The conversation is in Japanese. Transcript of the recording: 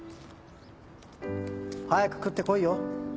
早く食って来いよ。